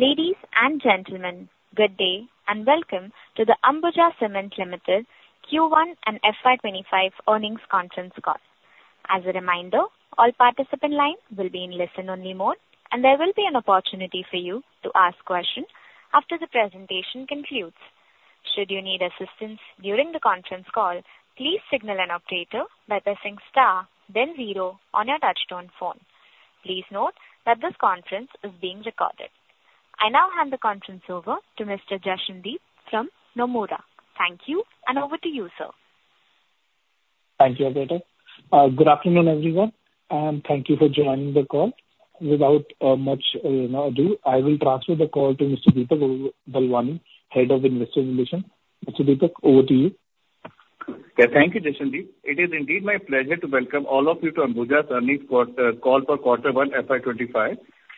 Ladies and gentlemen, good day and welcome to the Ambuja Cements Limited Q1 and FY25 earnings conference call. As a reminder, all participants' lines will be in listen-only mode, and there will be an opportunity for you to ask questions after the presentation concludes. Should you need assistance during the conference call, please signal an operator by pressing star, then zero on your touch-tone phone. Please note that this conference is being recorded. I now hand the conference over to Mr. Jashandeep Singh from Nomura. Thank you, and over to you, sir. Thank you, Ambuja. Good afternoon, everyone, and thank you for joining the call. Without much ado, I will transfer the call to Mr. Deepak Balwani, Head of Investor Relations. Mr. Deepak, over to you. Thank you, Jashandeep Singh. It is indeed my pleasure to welcome all of you to Ambuja's earnings call for Q1, FY25.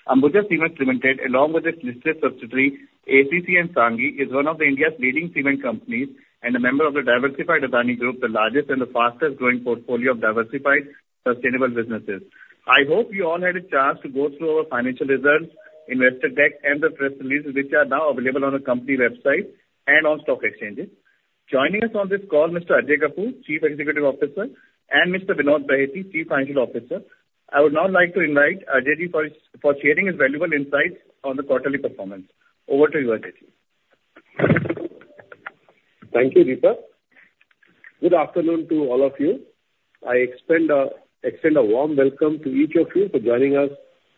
Ambuja Cements Limited, along with its listed subsidiaries, ACC and Sanghi, is one of India's leading cement companies and a member of the diversified Adani Group, the largest and fastest-growing portfolio of diversified sustainable businesses. I hope you all had a chance to go through our financial results, investor deck, and the press releases, which are now available on the company website and on stock exchanges. Joining us on this call, Mr. Ajay Kapur, Chief Executive Officer, and Mr. Vinod Bahety, Chief Financial Officer. I would now like to invite Ajay for sharing his valuable insights on the quarterly performance. Over to you, Ajay. Thank you, Deepak. Good afternoon to all of you. I extend a warm welcome to each of you for joining us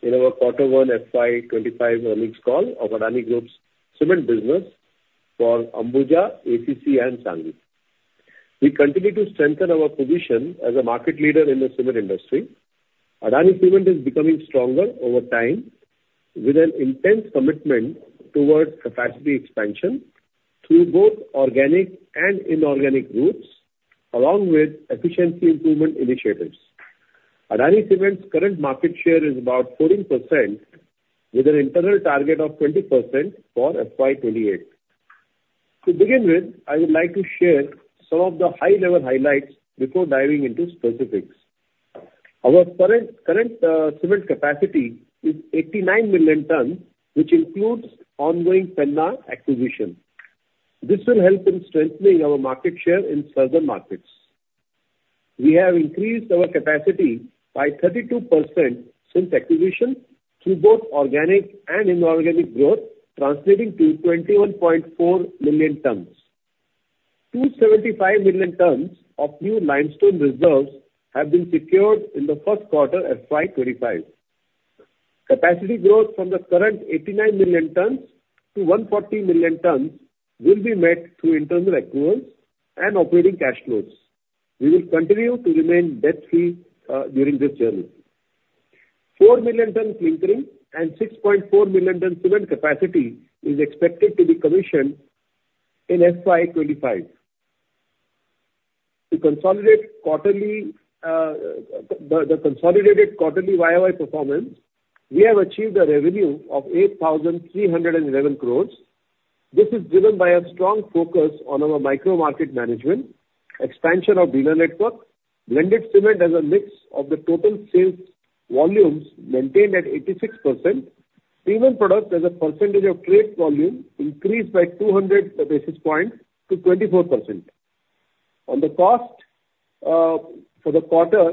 in our Q1, FY25 earnings call of Adani Group's cement business for Ambuja, ACC, and Sanghi. We continue to strengthen our position as a market leader in the cement industry. Adani Cement is becoming stronger over time with an intense commitment towards capacity expansion through both organic and inorganic routes, along with efficiency improvement initiatives. Adani Cement's current market share is about 14%, with an internal target of 20% for FY28. To begin with, I would like to share some of the high-level highlights before diving into specifics. Our current cement capacity is 89 million tons, which includes ongoing Penna acquisition. This will help in strengthening our market share in southern markets. We have increased our capacity by 32% since acquisition through both organic and inorganic growth, translating to 21.4 million tons. 275 million tons of new limestone reserves have been secured in the first quarter of FY25. Capacity growth from the current 89 million tons to 140 million tons will be met through internal accruals and operating cash flows. We will continue to remain debt-free during this journey. 4 million tons clinker and 6.4 million tons cement capacity is expected to be commissioned in FY25. The consolidated quarterly YOY performance: we have achieved a revenue of 8,311 crore. This is driven by a strong focus on our micro-market management, expansion of dealer network, blended cement as a mix of the total sales volumes maintained at 86%, premium products as a percentage of trade volume increased by 200 basis points to 24%. On the cost for the quarter,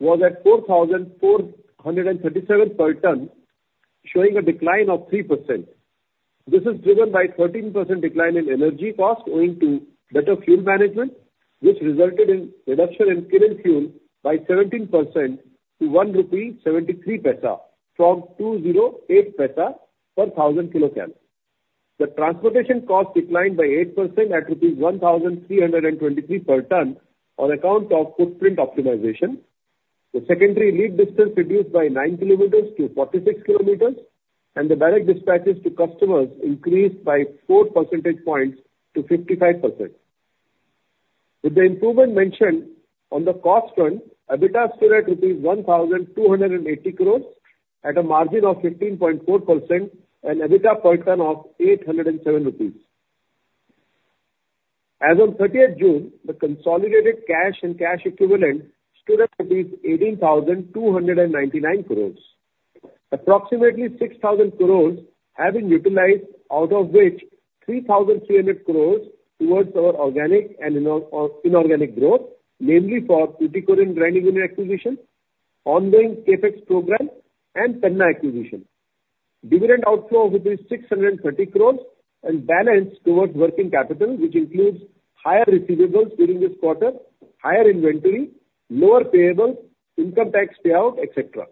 it was at 4,437 per ton, showing a decline of 3%. This is driven by a 13% decline in energy cost owing to better fuel management, which resulted in reduction in kiln fuel by 17% to 1.73 rupee from 208 paise per 1,000 kcal. The transportation cost declined by 8% at rupees 1,323 per ton on account of footprint optimization. The secondary lead distance reduced by 9 kilometers to 46 kilometers, and the direct dispatches to customers increased by 4 percentage points to 55%. With the improvement mentioned on the cost front, EBITDA surrendered 1,280 crores at a margin of 15.4% and EBITDA per ton of INR 807. As of 30th June, the consolidated cash and cash equivalent stood at 18,299 crores. Approximately 6,000 crores have been utilized, out of which 3,300 crores towards our organic and inorganic growth, namely for Tuticorin Grinding Unit acquisition, ongoing CapEx program, and Penna acquisition. Dividend outflow of rupees 630 crores and balance towards working capital, which includes higher receivables during this quarter, higher inventory, lower payables, income tax payout, etc.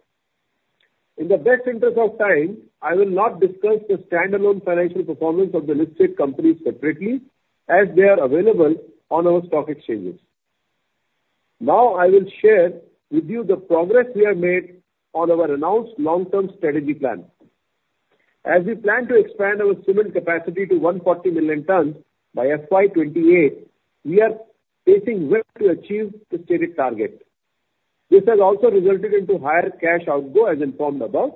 In the best interest of time, I will not discuss the standalone financial performance of the listed companies separately, as they are available on our stock exchanges. Now, I will share with you the progress we have made on our announced long-term strategy plan. As we plan to expand our cement capacity to 140 million tons by FY28, we are working to achieve the stated target. This has also resulted in higher cash outflow, as informed above.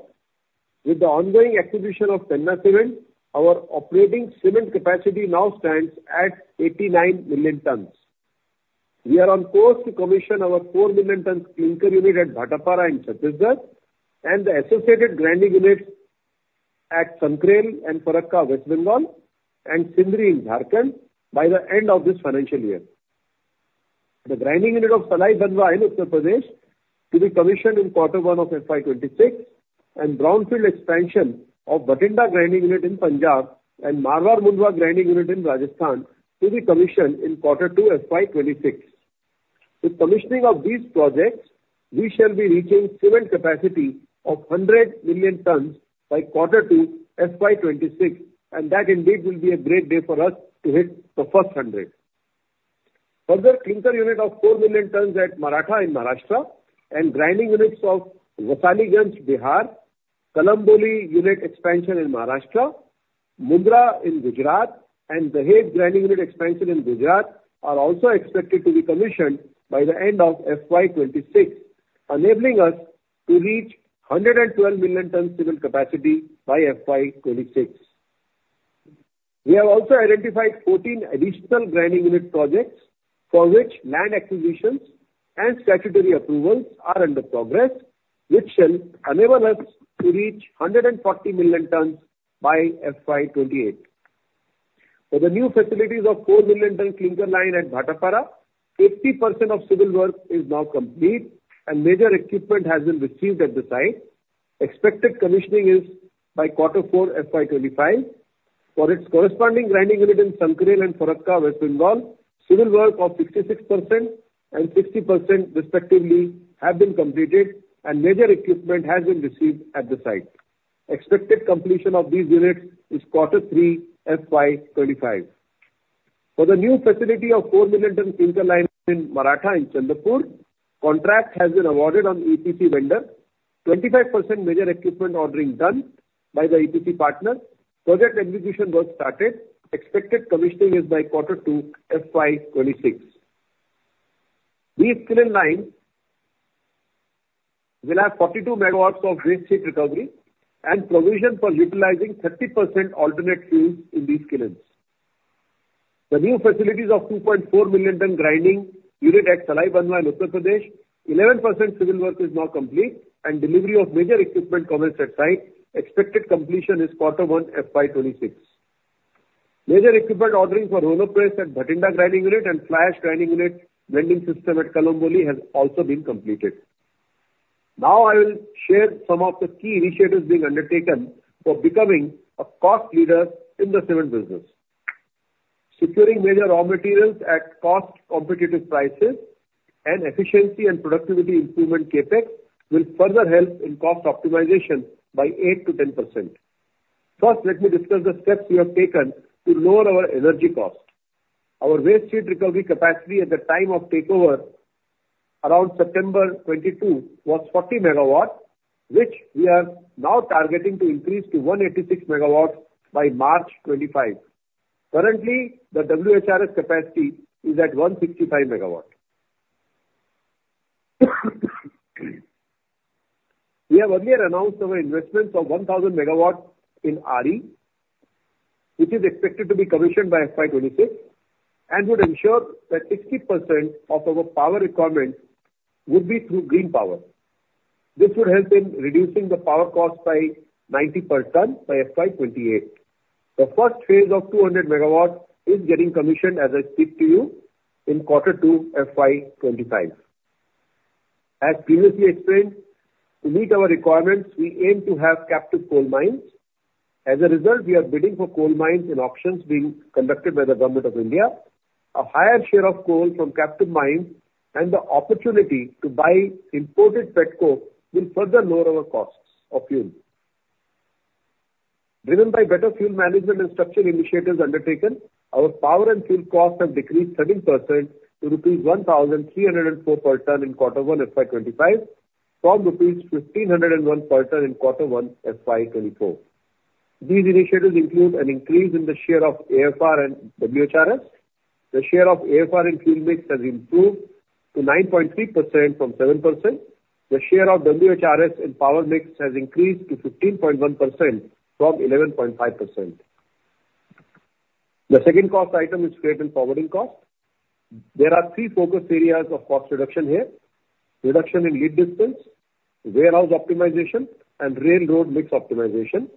With the ongoing acquisition of Penna Cement, our operating cement capacity now stands at 89 million tons. We are on course to commission our 4 million tons clinker unit at Bhatapara in Chhattisgarh and the associated grinding units at Sankrail and Farakka, West Bengal, and Sindri in Jharkhand by the end of this financial year. The grinding unit of Salai Banwa in Uttar Pradesh to be commissioned in Q1 of FY26, and brownfield expansion of Bathinda grinding unit in Punjab and Marwar Mundwa grinding unit in Rajasthan to be commissioned in Q2 FY26. With commissioning of these projects, we shall be reaching cement capacity of 100 million tons by Q2 FY26, and that indeed will be a great day for us to hit the first 100. Further, clinker unit of 4 million tons at Maratha in Maharashtra and grinding units of Warisaliganj, Bihar, Kalamboli unit expansion in Maharashtra, Mundra in Gujarat, and Dahej grinding unit expansion in Gujarat are also expected to be commissioned by the end of FY26, enabling us to reach 112 million tons cement capacity by FY26. We have also identified 14 additional grinding unit projects for which land acquisitions and statutory approvals are under progress, which shall enable us to reach 140 million tons by FY28. For the new facilities of 4 million tons clinker line at Bhatapara, 80% of civil work is now complete, and major equipment has been received at the site. Expected commissioning is by Q4 FY25. For its corresponding grinding unit in Sankrail and Farakka, West Bengal, civil work of 66% and 60% respectively have been completed, and major equipment has been received at the site. Expected completion of these units is Q3 FY25. For the new facility of 4 million tons clinker line in Maratha in Chandrapur, contract has been awarded on EPC vendor. 25% major equipment ordering done by the EPC partner. Project execution work started. Expected commissioning is by Q2 FY26. These clean lines will have 42 MW of waste heat recovery and provision for utilizing 30% alternate fuels in these clean lines. The new facilities of 2.4 million tons grinding unit at Salai Banwa, Uttar Pradesh, 11% civil work is now complete, and delivery of major equipment commenced at site. Expected completion is Q1 FY26. Major equipment ordering for roller press at Bathinda Grinding Unit and flash grinding unit vending system at Kalamboli has also been completed. Now, I will share some of the key initiatives being undertaken for becoming a cost leader in the cement business. Securing major raw materials at cost-competitive prices and efficiency and productivity improvement. CapEx will further help in cost optimization by 8%-10%. First, let me discuss the steps we have taken to lower our energy cost. Our waste heat recovery capacity at the time of takeover around September 2022 was 40 MW, which we are now targeting to increase to 186 MW by March 2025. Currently, the WHRS capacity is at 165 MW. We have earlier announced our investments of 1,000 MW in RE, which is expected to be commissioned by FY26 and would ensure that 60% of our power requirement would be through green power. This would help in reducing the power cost by 90% by FY28. The first phase of 200 MW is getting commissioned, as I speak to you, in Q2 FY25. As previously explained, to meet our requirements, we aim to have captive coal mines. As a result, we are bidding for coal mines in auctions being conducted by the Government of India. A higher share of coal from captive mines and the opportunity to buy imported pet coke will further lower our costs of fuel. Driven by better fuel management and structural initiatives undertaken, our power and fuel costs have decreased 17% to rupees 1,304 per ton in Q1 FY25 from rupees 1,501 per ton in Q1 FY24. These initiatives include an increase in the share of AFR and WHRS. The share of AFR in fuel mix has improved to 9.3% from 7%. The share of WHRS in power mix has increased to 15.1% from 11.5%. The second cost item is freight and forwarding cost. There are three focus areas of cost reduction here: reduction in lead distance, warehouse optimization, and railroad mix optimization.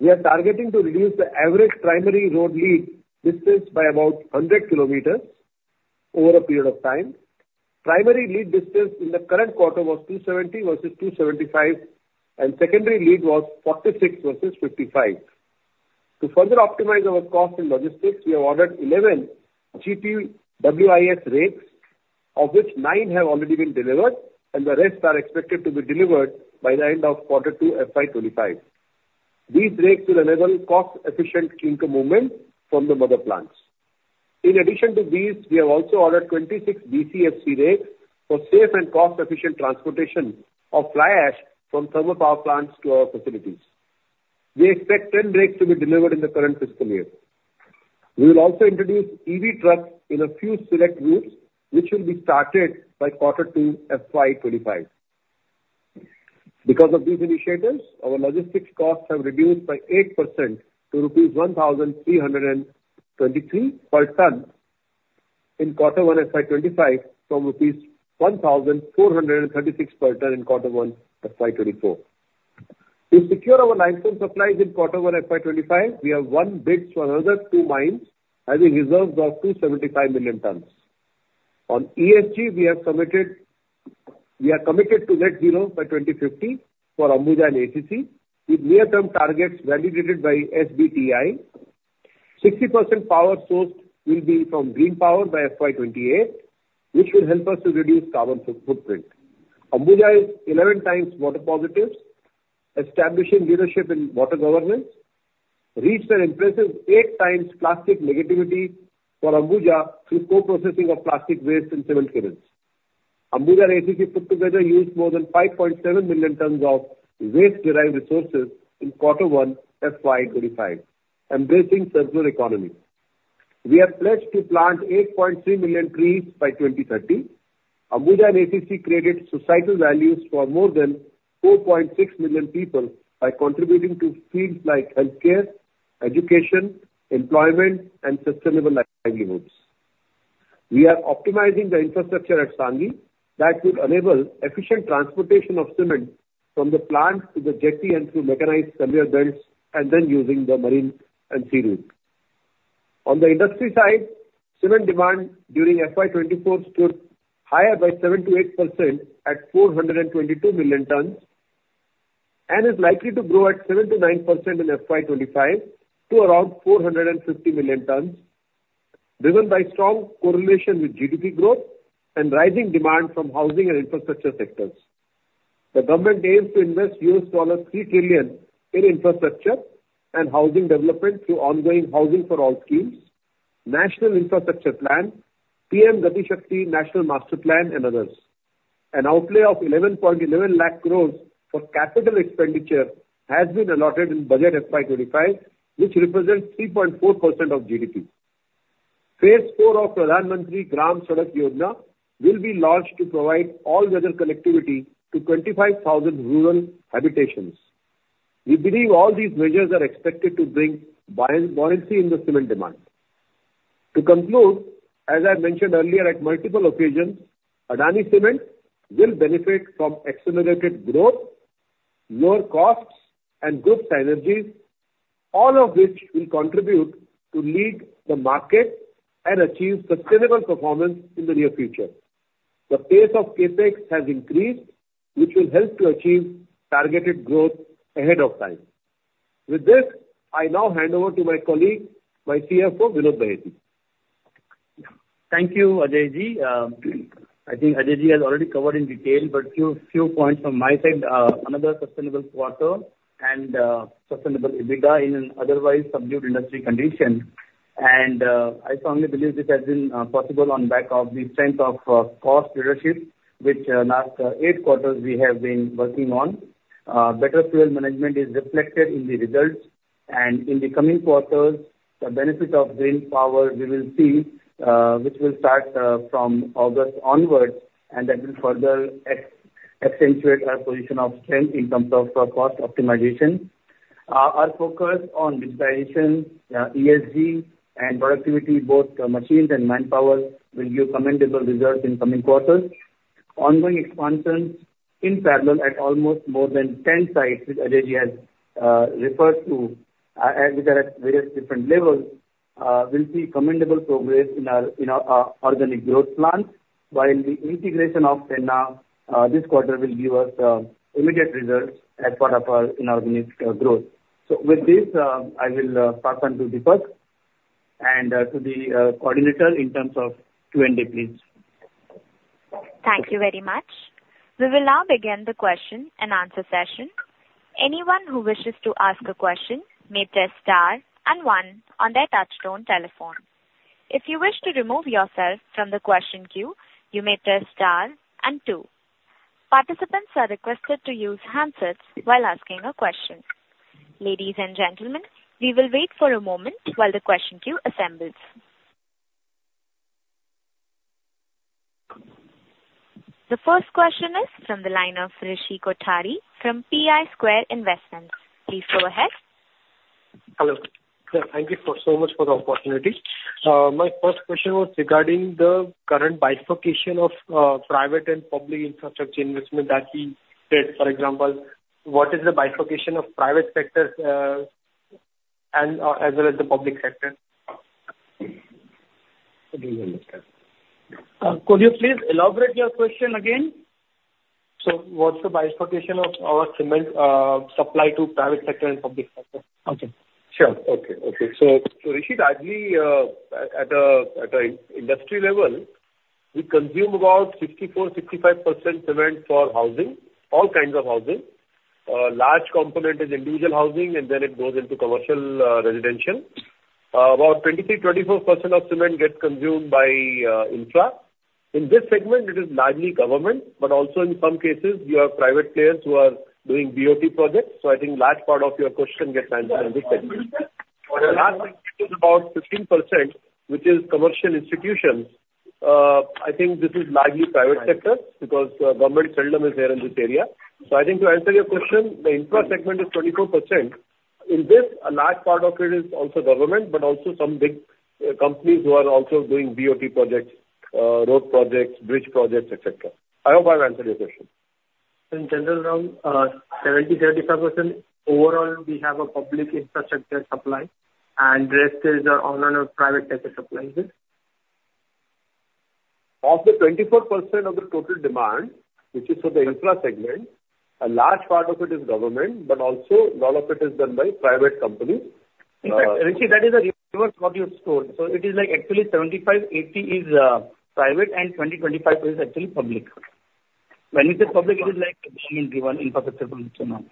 We are targeting to reduce the average primary road lead distance by about 100 km over a period of time. Primary lead distance in the current quarter was 270 versus 275, and secondary lead was 46 versus 55. To further optimize our cost and logistics, we have ordered 11 GPWIS rakes, of which 9 have already been delivered, and the rest are expected to be delivered by the end of Q2 FY25. These rakes will enable cost-efficient clinker movement from the mother plants. In addition to these, we have also ordered 26 BCFC rakes for safe and cost-efficient transportation of fly ash from thermal power plants to our facilities. We expect 10 rakes to be delivered in the current fiscal year. We will also introduce EV trucks in a few select routes, which will be started by Q2 FY25. Because of these initiatives, our logistics costs have reduced by 8% to rupees 1,323 per ton in Q1 FY25 from rupees 1,436 per ton in Q1 FY24. To secure our limestone supplies in Q1 FY25, we have won bids for another 2 mines having reserves of 275 million tons. On ESG, we are committed to net zero by 2050 for Ambuja and ACC, with near-term targets validated by SBTi. 60% power sourced will be from green power by FY28, which will help us to reduce carbon footprint. Ambuja is 11 times water positive, establishing leadership in water governance, reached an impressive 8 times plastic negativity for Ambuja through co-processing of plastic waste in cement kilns. Ambuja and ACC put together used more than 5.7 million tons of waste-derived resources in Q1 FY25, embracing circular economy. We are pledged to plant 8.3 million trees by 2030. Ambuja and ACC created societal values for more than 4.6 million people by contributing to fields like healthcare, education, employment, and sustainable livelihoods. We are optimizing the infrastructure at Sanghi that would enable efficient transportation of cement from the plant to the jetty and through mechanized conveyor belts and then using the marine and sea route. On the industry side, cement demand during FY24 stood higher by 7%-8% at 422 million tons and is likely to grow at 7%-9% in FY25 to around 450 million tons, driven by strong correlation with GDP growth and rising demand from housing and infrastructure sectors. The government aims to invest $3 trillion in infrastructure and housing development through ongoing Housing for All schemes, National Infrastructure Plan, PM Gati Shakti National Master Plan, and others. An outlay of 1,111,000 crore for capital expenditure has been allotted in budget FY25, which represents 3.4% of GDP. Phase 4 of Pradhan Mantri Gram Sadak Yojana will be launched to provide all-weather connectivity to 25,000 rural habitations. We believe all these measures are expected to bring buoyancy in the cement demand. To conclude, as I mentioned earlier at multiple occasions, Adani Cements will benefit from accelerated growth, lower costs, and good synergies, all of which will contribute to lead the market and achieve sustainable performance in the near future. The pace of CapEx has increased, which will help to achieve targeted growth ahead of time. With this, I now hand over to my colleague, my CFO, Vinod Bahety. Thank you, Ajay. I think Ajay has already covered in detail, but a few points from my side. Another sustainable quarter and sustainable EBITDA in an otherwise subdued industry condition. I strongly believe this has been possible on the back of the strength of cost leadership, which last eight quarters we have been working on. Better fuel management is reflected in the results. In the coming quarters, the benefit of green power we will see, which will start from August onwards, and that will further accentuate our position of strength in terms of cost optimization. Our focus on digitization, ESG, and productivity, both machines and manpower, will give commendable results in coming quarters. Ongoing expansions in parallel at almost more than 10 sites, which Ajay has referred to, which are at various different levels, will see commendable progress in our organic growth plans, while the integration of Penna this quarter will give us immediate results as part of our inorganic growth. So with this, I will pass on to Deepak and to the coordinator in terms of Q&A, please. Thank you very much. We will now begin the question and answer session. Anyone who wishes to ask a question may press star and one on their touch-tone telephone. If you wish to remove yourself from the question queue, you may press star and two. Participants are requested to use handsets while asking a question. Ladies and gentlemen, we will wait for a moment while the question queue assembles. The first question is from the line of Rishi Kothari from Pi Square Investments. Please go ahead. Hello. Thank you so much for the opportunity. My first question was regarding the current bifurcation of private and public infrastructure investment that we did. For example, what is the bifurcation of private sector as well as the public sector? Could you please elaborate your question again? So what's the bifurcation of our cement supply to private sector and public sector? Okay. Sure. Okay. Okay. So Rishi, at an industry level, we consume about 64%-65% cement for housing, all kinds of housing. A large component is individual housing, and then it goes into commercial residential. About 23%-24% of cement gets consumed by infra. In this segment, it is largely government, but also in some cases, you have private players who are doing BOT projects. So I think a large part of your question gets answered in this segment. The last segment is about 15%, which is commercial institutions. I think this is largely private sector because the government seldom is there in this area. So I think to answer your question, the infra segment is 24%. In this, a large part of it is also government, but also some big companies who are also doing BOT projects, road projects, bridge projects, etc. I hope I've answered your question. In general, around 70%-75% overall, we have a public infrastructure supply, and the rest is on private sector [distorted]. Of the 24% of the total demand, which is for the infra segment, a large part of it is government, but also a lot of it is done by private companies. Rishi, that is a reverse what you've told. So it is like actually 75%-80% is private, and 20%-25% is actually public. When we say public, it is like government-driven infrastructure projects and all.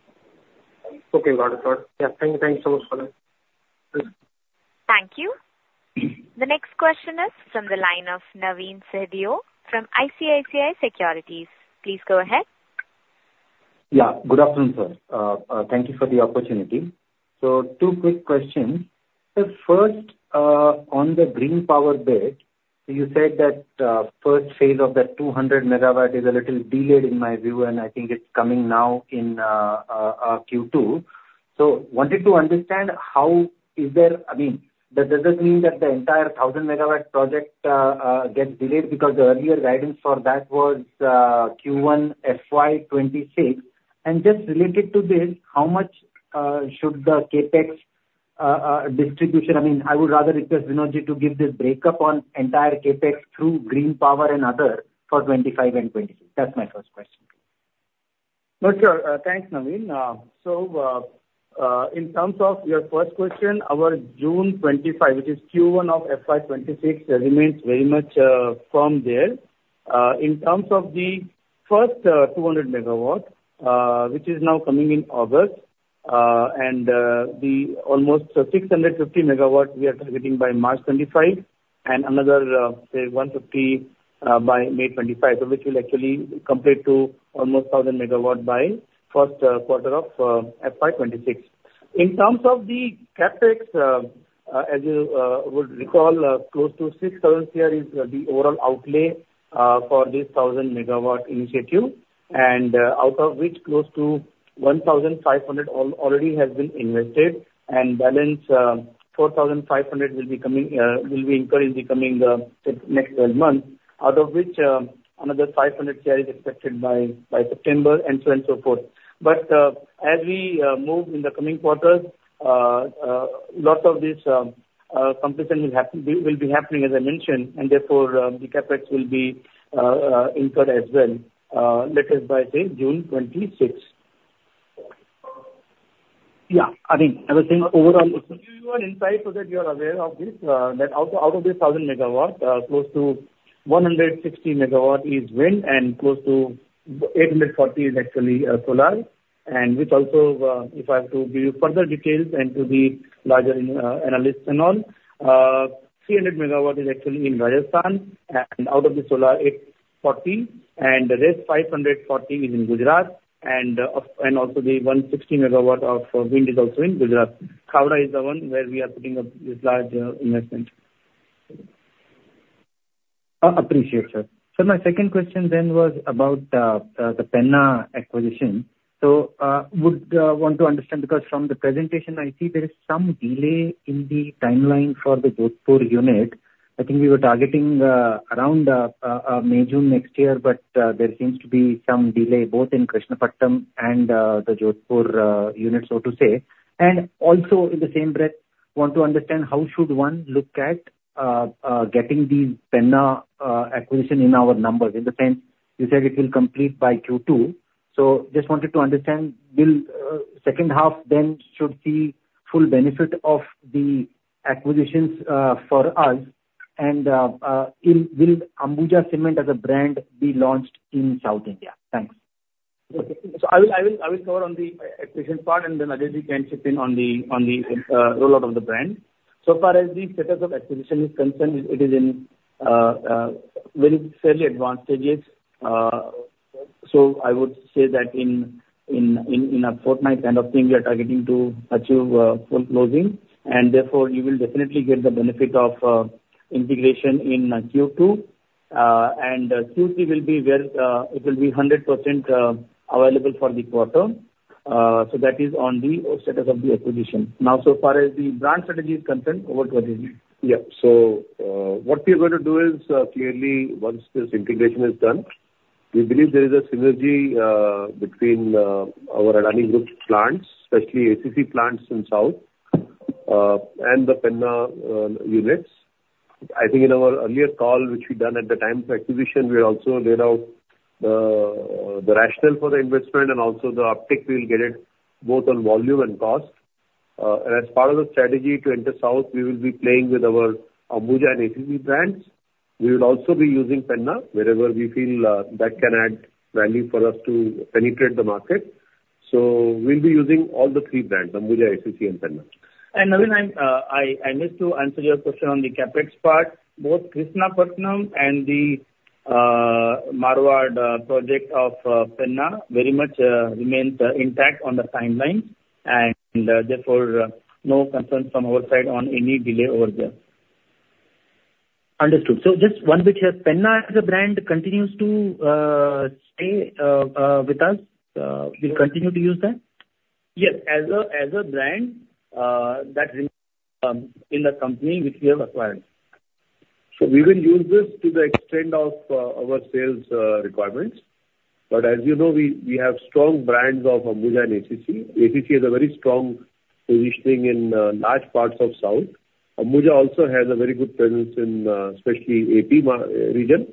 Okay. Got it. Got it. Yeah. Thank you. Thank you so much, [distorted]. Thank you. The next question is from the line of Navin Sahadeo from ICICI Securities. Please go ahead. Yeah. Good afternoon, sir. Thank you for the opportunity. So two quick questions. First, on the green power bit, you said that first phase of that 200 MW is a little delayed in my view, and I think it's coming now in Q2. So I wanted to understand how is there I mean, does that mean that the entire 1,000 MW project gets delayed because the earlier guidance for that was Q1 FY26? And just related to this, how much should the CapEx distribution I mean, I would rather request Vinod to give this breakup on entire CapEx through green power and other for 25 and 26. That's my first question. Not sure. Thanks, Navin. So in terms of your first question, our June 2025, which is Q1 of FY26, remains very much firm there. In terms of the first 200 MW, which is now coming in August, and the almost 650 MW we are targeting by March 2025, and another, say, 150 by May 2025, which will actually complete to almost 1,000 MW by first quarter of FY26. In terms of the CapEx, as you would recall, close to 6,000 crore is the overall outlay for this 1,000 MW initiative, and out of which close to 1,500 crore already has been invested, and balance 4,500 crore will be incurred in the coming next 12 months, out of which another 500 crore are expected by September, and so on and so forth. But as we move in the coming quarters, lots of this completion will be happening, as I mentioned, and therefore the CAPEX will be incurred as well, let's say by June 2026. Yeah. I mean, I was saying overall, if you are inside so that you are aware of this, that out of this 1,000 MW, close to 160 MW is wind, and close to 840 MW is actually solar. And which also, if I have to give you further details and to the larger analysts and all, 300 MW is actually in Rajasthan, and out of the solar, 840 MW, and the rest 540 MW is in Gujarat, and also the 160 MW of wind is also in Gujarat. Khavda is the one where we are putting up this large investment. Appreciate it, sir. So my second question then was about the Penna acquisition. So would want to understand because from the presentation, I see there is some delay in the timeline for the Jodhpur unit. I think we were targeting around May, June next year, but there seems to be some delay both in Krishnapatnam and the Jodhpur unit, so to say. And also in the same breath, want to understand how should one look at getting the Penna acquisition in our numbers? In the sense, you said it will complete by Q2. So just wanted to understand, will second half then should see full benefit of the acquisitions for us, and will Ambuja Cements as a brand be launched in South India? Thanks. Okay. So I will cover on the acquisition part, and then Ajay can chip in on the rollout of the brand. So far as the status of acquisition is concerned, it is in very fairly advanced stages. So I would say that in a fortnight kind of thing, we are targeting to achieve full closing, and therefore you will definitely get the benefit of integration in Q2. And Q3 will be where it will be 100% available for the quarter. So that is on the status of the acquisition. Now, so far as the brand strategy is concerned, over to Ajay. Yeah. So what we are going to do is clearly, once this integration is done, we believe there is a synergy between our Adani Group plants, especially ACC plants in South, and the Penna units. I think in our earlier call, which we done at the time of acquisition, we also laid out the rationale for the investment and also the uptake we'll get it both on volume and cost. As part of the strategy to enter South, we will be playing with our Ambuja and ACC brands. We will also be using Penna wherever we feel that can add value for us to penetrate the market. So we'll be using all the three brands, Ambuja, ACC, and Penna. And Navin, I missed to answer your question on the CapEx part. Both Krishnapatnam and the Marwar Mundwa project of Penna very much remains intact on the timeline, and therefore no concerns from our side on any delay over there. Understood. So just one bit here. Penna as a brand continues to stay with us? We'll continue to use that? Yes. As a brand, that remains in the company which we have acquired. So we will use this to the extent of our sales requirements. But as you know, we have strong brands of Ambuja and ACC. ACC has a very strong positioning in large parts of South. Ambuja also has a very good presence in especially AP region.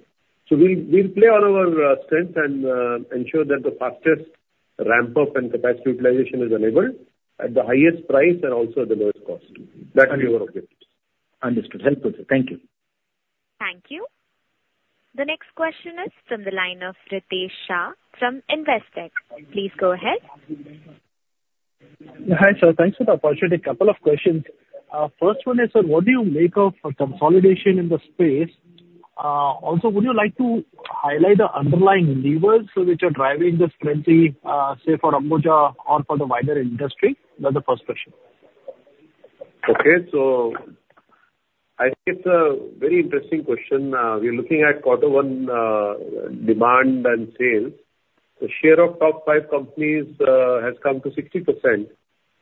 So we'll play on our strengths and ensure that the fastest ramp-up and capacity utilization is enabled at the highest price and also the lowest cost. That will be our objectives. Understood. Helpful. Thank you. Thank you. The next question is from the line of Ritesh Shah from Investec. Please go ahead. Hi sir. Thanks for the opportunity. A couple of questions. First one is, sir, what do you make of consolidation in the space? Also, would you like to highlight the underlying levers which are driving the strength, say, for Ambuja or for the wider industry? That's the first question. Okay. So I think it's a very interesting question. We're looking at quarter one demand and sales. The share of top 5 companies has come to 60%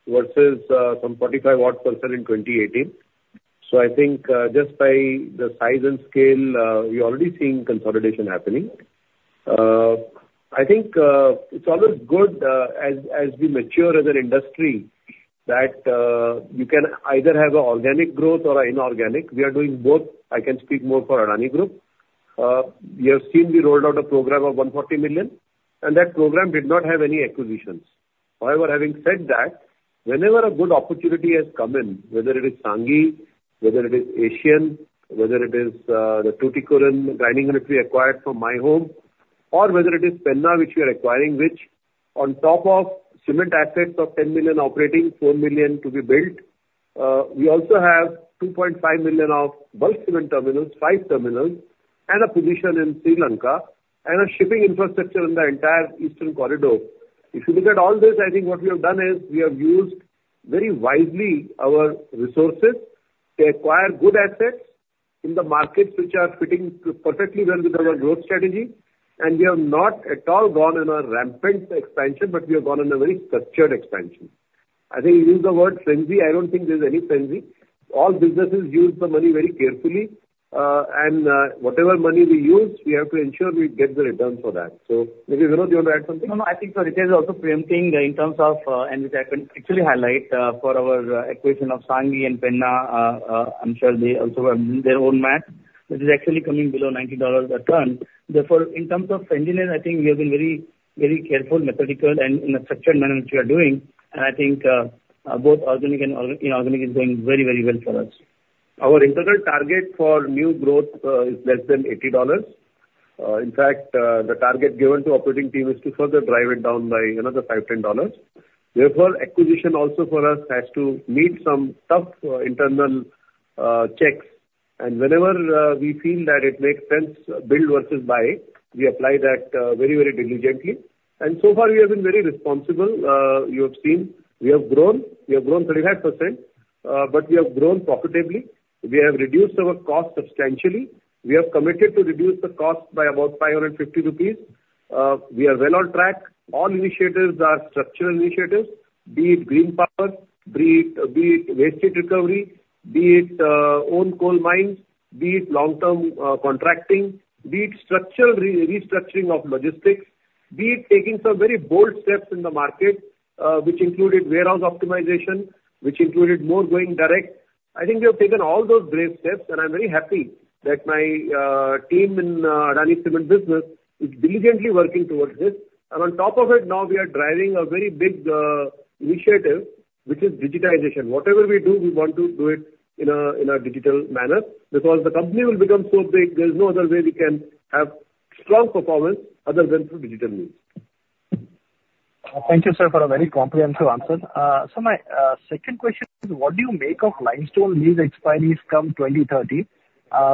versus some 45-odd% in 2018. So I think just by the size and scale, we're already seeing consolidation happening. I think it's always good as we mature as an industry that you can either have an organic growth or an inorganic. We are doing both. I can speak more for Adani Group. You have seen we rolled out a program of 140 million, and that program did not have any acquisitions. However, having said that, whenever a good opportunity has come in, whether it is Sanghi, whether it is ACC, whether it is the Tuticorin grinding unit acquired from My Home, or whether it is Penna, which we are acquiring, which on top of cement assets of 10 million operating, 4 million to be built, we also have 2.5 million of bulk cement terminals, 5 terminals, and a position in Sri Lanka and a shipping infrastructure in the entire eastern corridor. If you look at all this, I think what we have done is we have used very wisely our resources to acquire good assets in the markets which are fitting perfectly well with our growth strategy. And we have not at all gone on a rampant expansion, but we have gone on a very structured expansion. I think you used the word frenzy. I don't think there's any frenzy. All businesses use the money very carefully, and whatever money we use, we have to ensure we get the return for that. So maybe Vinod, do you want to add something? No, no. I think so it is also preempting in terms of, and which I can actually highlight for our acquisition of Sanghi and Penna. I'm sure they also have their own math. It is actually coming below $90 a ton. Therefore, in terms of frenzy, I think we have been very, very careful, methodical, and in a structured manner which we are doing. And I think both organic and inorganic is going very, very well for us. Our integral target for new growth is less than $80. In fact, the target given to the operating team is to further drive it down by another $5-$10. Therefore, acquisition also for us has to meet some tough internal checks. Whenever we feel that it makes sense, build versus buy, we apply that very, very diligently. So far, we have been very responsible. You have seen we have grown. We have grown 35%, but we have grown profitably. We have reduced our cost substantially. We have committed to reduce the cost by about 550 rupees. We are well on track. All initiatives are structural initiatives, be it green power, be it waste recovery, be it own coal mines, be it long-term contracting, be it structural restructuring of logistics, be it taking some very bold steps in the market, which included warehouse optimization, which included more going direct. I think we have taken all those brave steps, and I'm very happy that my team in Adani Cements Business is diligently working towards this. And on top of it, now we are driving a very big initiative, which is digitization. Whatever we do, we want to do it in a digital manner because the company will become so big, there's no other way we can have strong performance other than through digital means. Thank you, sir, for a very comprehensive answer. So my second question is, what do you make of limestone lease expiry come 2030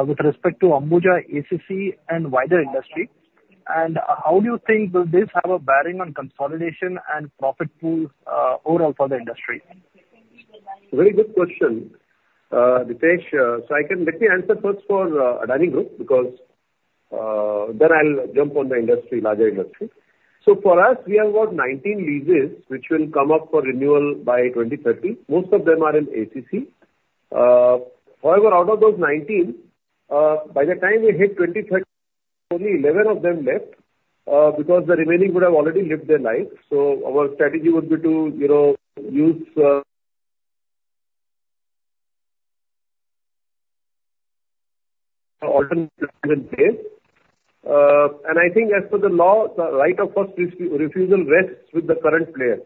with respect to Ambuja, ACC, and wider industry? And how do you think will this have a bearing on consolidation and profit pool overall for the industry? Very good question, Ritesh Shah. So let me answer first for Adani Group because then I'll jump on the industry, larger industry. So for us, we have about 19 leases which will come up for renewal by 2030. Most of them are in ACC. However, out of those 19, by the time we hit 2030, only 11 of them left because the remaining would have already lived their lives. So our strategy would be to use alternative base. And I think as per the law, the right of first refusal rests with the current player.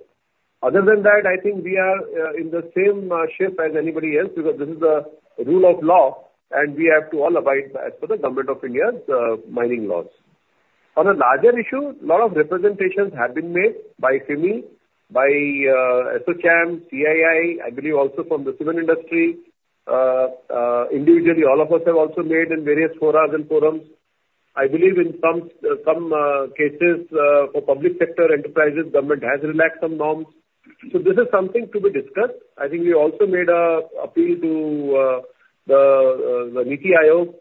Other than that, I think we are in the same shape as anybody else because this is the rule of law, and we have to all abide as per the Government of India's mining laws. On a larger issue, a lot of representations have been made by FIMI, by ASSOCHAM, CII, I believe also from the cement industry. Individually, all of us have also made in various forums and forums. I believe in some cases for public sector enterprises, government has relaxed some norms. So this is something to be discussed. I think we also made an appeal to the NITI Aayog.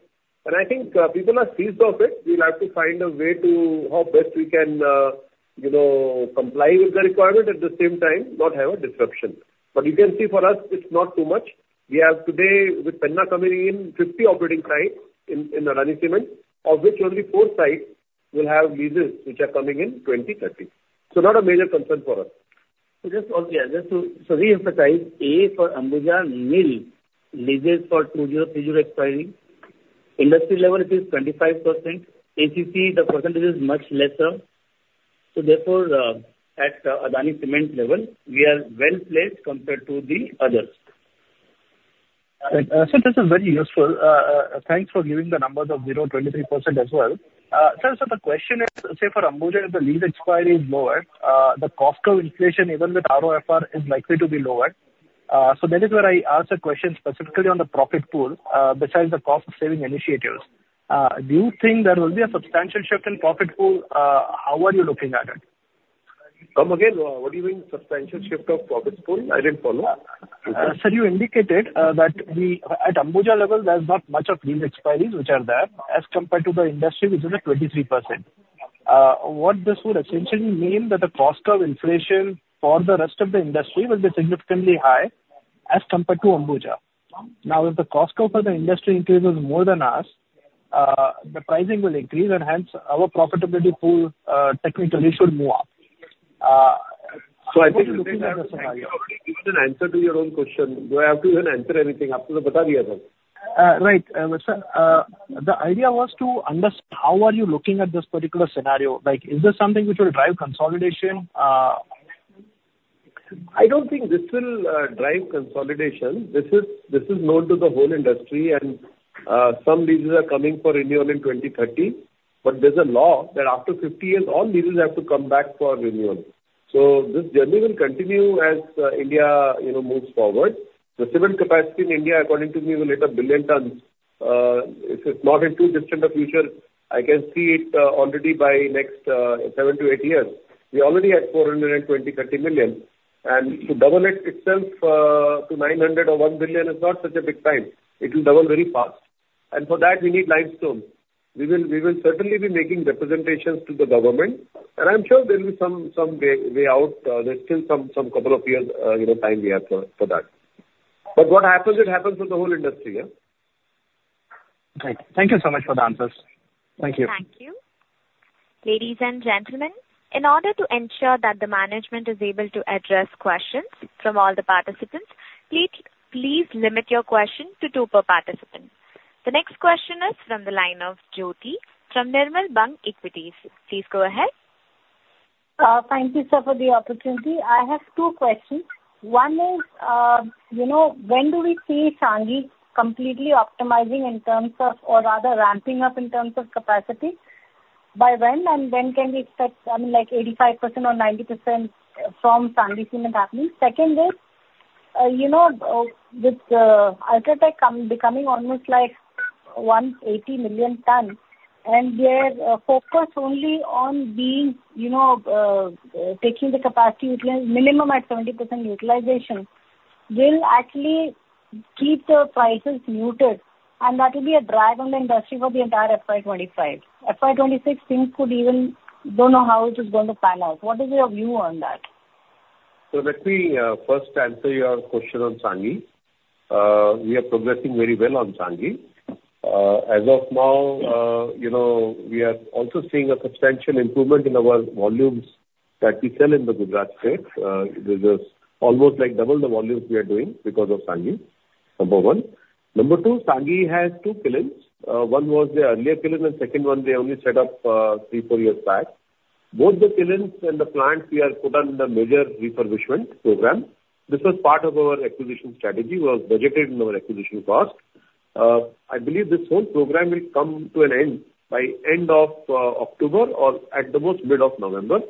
I think people are seized of it. We'll have to find a way to how best we can comply with the requirement at the same time, not have a disruption. But you can see for us, it's not too much. We have today with Penna coming in 50 operating sites in Adani Cement, of which only 4 sites will have leases which are coming in 2030. So not a major concern for us. So just to reemphasize, A for Ambuja, NIL leases for 2 years, 3 years expiry. Industry level is 25%. ACC, the percentage is much lesser. So therefore, at Adani Cements level, we are well placed compared to the others. So that's very useful. Thanks for giving the numbers of 0.23% as well. So the question is, say for Ambuja, if the lease expiry is lower, the cost of inflation even with ROFR is likely to be lower. So that is where I ask a question specifically on the profit pool besides the cost-saving initiatives. Do you think there will be a substantial shift in profit pool? How are you looking at it? Come again, what do you mean substantial shift of profit pool? I didn't follow. So you indicated that at Ambuja level, there's not much of lease expiries which are there as compared to the industry, which is at 23%. What this would essentially mean is that the cost of inflation for the rest of the industry will be significantly high as compared to Ambuja. Now, if the cost for the industry increases more than us, the pricing will increase, and hence our profitability pool technically should move up. So I think looking at the scenario, you didn't answer to your own question. Do I have to even answer anything after the Bhatapara as well? Right. The idea was to understand how are you looking at this particular scenario? Is this something which will drive consolidation? I don't think this will drive consolidation. This is known to the whole industry, and some leases are coming for renewal in 2030. But there's a law that after 50 years, all leases have to come back for renewal. So this journey will continue as India moves forward. The cement capacity in India, according to me, will hit a billion tons. If it's not in too distant a future, I can see it already by next 7 to 8 years. We already had 420-430 million. And to double it itself to 900 or 1 billion is not such a big time. It will double very fast. For that, we need limestone. We will certainly be making representations to the government. I'm sure there will be some way out. There's still some couple of years' time we have for that. What happens, it happens for the whole industry. Right. Thank you so much for the answers. Thank you. Thank you. Ladies and gentlemen, in order to ensure that the management is able to address questions from all the participants, please limit your question to two per participant. The next question is from the line of Jyoti from Nirmal Bang Equities. Please go ahead. Thank you, sir, for the opportunity. I have two questions. One is, when do we see Sanghi completely optimizing in terms of or rather ramping up in terms of capacity? By when? When can we expect, I mean, like 85% or 90% from Sanghi Cements happening? Second is, with UltraTech becoming almost like 180 million tons and their focus only on taking the capacity minimum at 70% utilization, will actually keep the prices muted, and that will be a drag on the industry for the entire FY25. FY26, things could even don't know how it is going to pan out. What is your view on that? Let me first answer your question on Sanghi. We are progressing very well on Sanghi. As of now, we are also seeing a substantial improvement in our volumes that we sell in the Gujarat state. It is almost like double the volumes we are doing because of Sanghi, number one. Number two, Sanghi has two kilns. One was the earlier kiln, and second one, they only set up 3-4 years back. Both the kilns and the plants we have put on the major refurbishment program. This was part of our acquisition strategy, was budgeted in our acquisition cost. I believe this whole program will come to an end by end of October or at the most mid of November.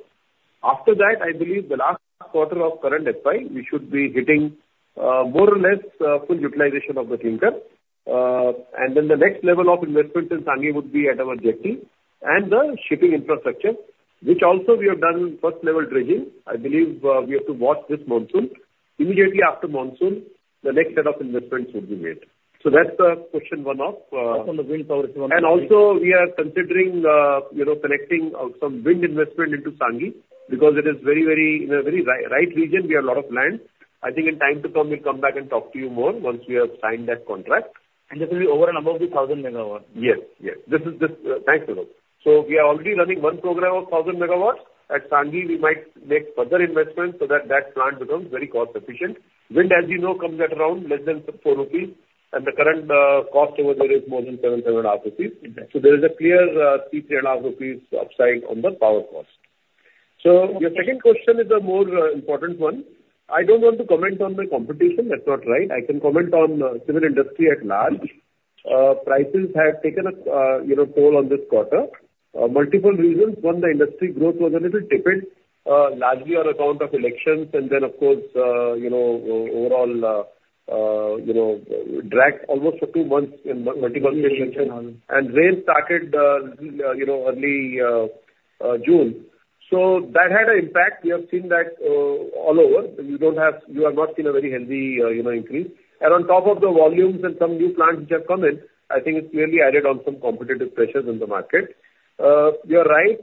After that, I believe the last quarter of current FY, we should be hitting more or less full utilization of the clinker. And then the next level of investment in Sanghi would be at our jetty and the shipping infrastructure, which also we have done first-level dredging. I believe we have to watch this monsoon. Immediately after monsoon, the next set of investments would be made. So that's question one of. On the wind power? And also, we are considering connecting some wind investment into Sanghi because it is very, very in a very right region. We have a lot of land. I think in time to come, we'll come back and talk to you more once we have signed that contract. And this will be over and above the 1,000 megawatts? Yes. Yes. Thanks, Vinod. So we are already running one program of 1,000 megawatts. At Sanghi, we might make further investments so that that plant becomes very cost-efficient. Wind, as you know, comes at around less than 4 rupees, and the current cost over there is more than 7,500 rupees. So there is a clear 3,500 rupees upside on the power cost. So your second question is a more important one. I don't want to comment on the competition. That's not right. I can comment on cement industry at large. Prices have taken a toll on this quarter. Multiple reasons. One, the industry growth was a little tipped, largely on account of elections, and then, of course, overall dragged almost for 2 months in multiple elections. Rain started early June. That had an impact. We have seen that all over. You have not seen a very heavy increase. On top of the volumes and some new plants which have come in, I think it's clearly added on some competitive pressures in the market. You're right.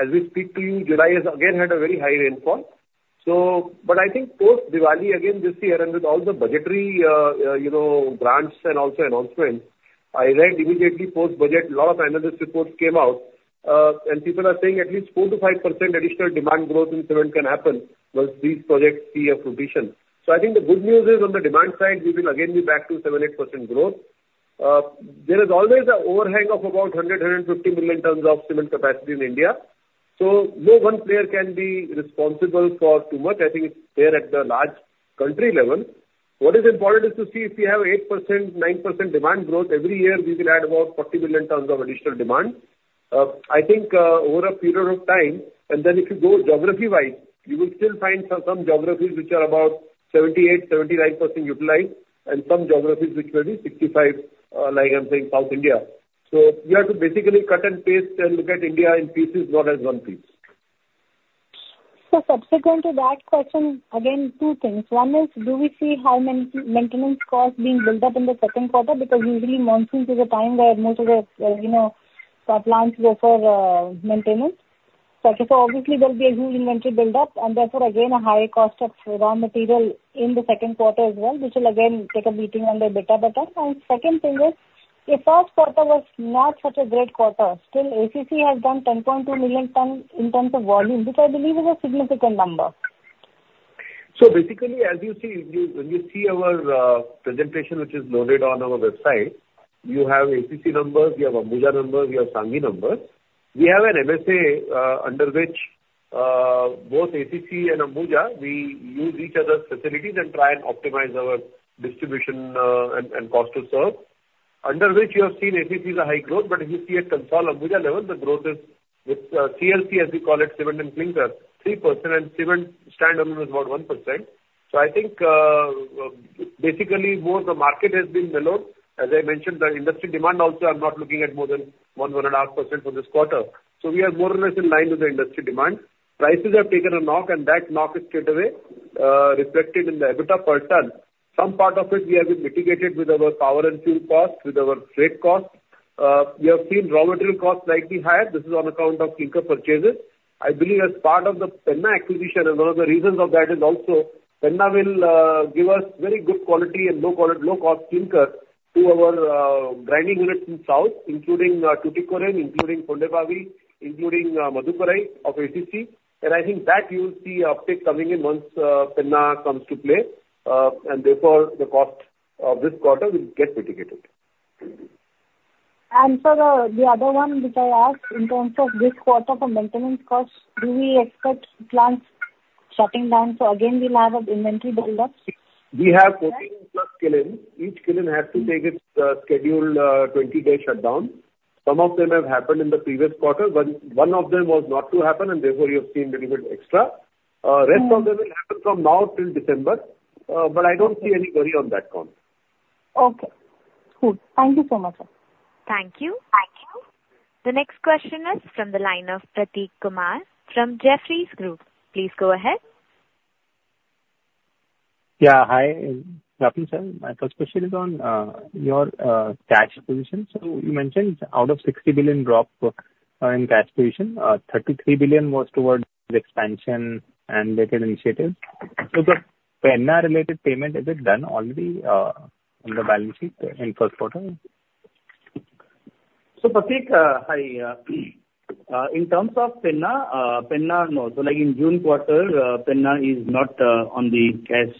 As we speak to you, July has again had a very high rainfall. I think post-Diwali again this year, and with all the budgetary grants and also announcements, I read immediately post-budget, a lot of analyst reports came out, and people are saying at least 4%-5% additional demand growth in cement can happen once these projects see a completion. So I think the good news is on the demand side, we will again be back to 7%-8% growth. There is always an overhang of about 100-150 million tons of cement capacity in India. So no one player can be responsible for too much. I think it's there at the large country level. What is important is to see if we have 8%-9% demand growth every year, we will add about 40 million tons of additional demand. I think over a period of time, and then if you go geography-wise, you will still find some geographies which are about 78%-79% utilized, and some geographies which will be 65%, like I'm saying, South India. So we have to basically cut and paste and look at India in pieces, not as one piece. So subsequent to that question, again, two things. One is, do we see how many maintenance costs being built up in the second quarter? Because usually, monsoons is a time where most of the plants go for maintenance. So obviously, there'll be a huge inventory buildup, and therefore, again, a higher cost of raw material in the second quarter as well, which will again take a beating on the EBITDA. And second thing is, if first quarter was not such a great quarter, still ACC has done 10.2 million tons in terms of volume, which I believe is a significant number. So basically, as you see, when you see our presentation which is loaded on our website, you have ACC numbers, you have Ambuja numbers, you have Sanghi numbers. We have an MSA under which both ACC and Ambuja, we use each other's facilities and try and optimize our distribution and cost to serve. Under which you have seen ACC's high growth, but if you see at consolidated Ambuja level, the growth is with CLC, as we call it, cement and clinker, 3%, and cement standalone is about 1%. So I think basically more the market has been mellowed. As I mentioned, the industry demand also, I'm not looking at more than 1%-1.5% for this quarter. So we are more or less in line with the industry demand. Prices have taken a knock, and that knock is straightaway reflected in the EBITDA per ton. Some part of it we have mitigated with our power and fuel cost, with our freight cost. We have seen raw material costs slightly higher. This is on account of clinker purchases. I believe as part of the Penna acquisition, and one of the reasons of that is also Penna will give us very good quality and low-cost clinker to our grinding units in South, including Tuticorin, including Thondebhavi, including Madhukkarai of ACC. And I think that you'll see an uptick coming in once Penna comes to play. And therefore, the cost of this quarter will get mitigated. And for the other one which I asked, in terms of this quarter for maintenance costs, do we expect plants shutting down? So again, we'll have an inventory buildup? We have 14+ kilns. Each kiln has to take its scheduled 20-day shutdown. Some of them have happened in the previous quarter. One of them was not to happen, and therefore you have seen a little bit extra. The rest of them will happen from now till December. But I don't see any worry on that count. Okay. Good. Thank you so much, sir. Thank you. Thank you. The next question is from the line of Prateek Kumar from Jefferies. Please go ahead. Yeah. Hi. Prateek Kumar, my first question is on your cash position. So you mentioned out of 60 billion drop in cash position, 33 billion was towards expansion and related initiatives. So the Penna-related payment, is it done already on the balance sheet in first quarter? So Prateek, hi. In terms of Penna, so like in June quarter, Penna is not on the cash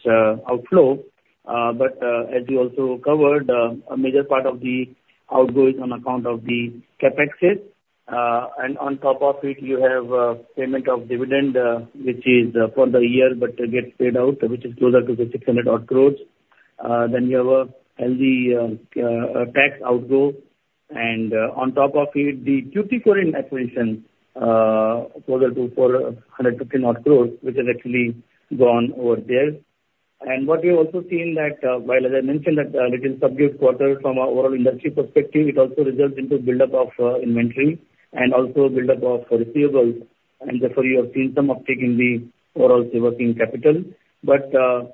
outflow. But as you also covered, a major part of the outgoing on account of the CapEx is. And on top of it, you have payment of dividend, which is for the year, but gets paid out, which is closer to the 600-odd crore. You have a healthy tax outgo. On top of it, the Tuticorin acquisition closer to 450-odd crore, which has actually gone over there. What we've also seen is that, while as I mentioned that little sub-year quarter from our industry perspective, it also results into buildup of inventory and also buildup of receivables. Therefore, you have seen some uptick in the overall working capital. The